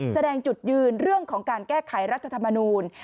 แสดงจุดยืนเรื่องของการแก้ไขรัฐธรรมนูล